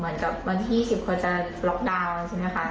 เพราะว่าเหมือนกับวันที่๒๐คนจะล็อกด้าวน์ใช่ไหมคะ